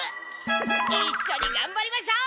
いっしょにがんばりましょう！